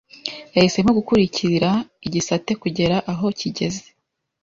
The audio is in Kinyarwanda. yahisemo gukurikira igisate kugera aho kigeze